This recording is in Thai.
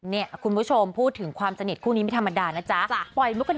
มันทำงานง่ายครับ